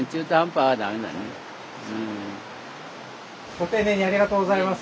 ご丁寧にありがとうございます。